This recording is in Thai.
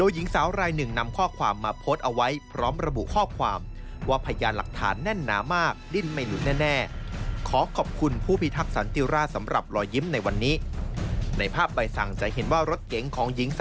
หญิงสาวรายนี้อยู่บนรถสะไลก์